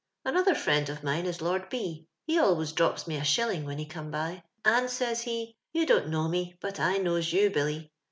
♦* Another friend of mine is Loni B . lie always drops mo a shilling when he come by; and, says he, * You don't know me, bat I knows you, Billy.'